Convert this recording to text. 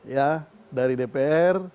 ya dari dpr